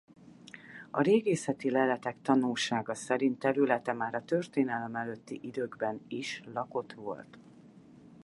A régészeti leletek tanúsága szerint területe már a történelem előtti időkben is lakott volt.